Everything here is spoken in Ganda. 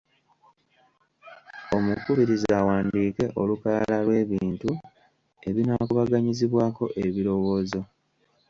Omukubiriza awandiike olukalala lw’ebintu ebinaakubaganyizibwako ebirowoozo.